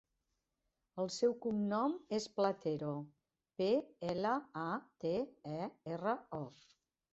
El seu cognom és Platero: pe, ela, a, te, e, erra, o.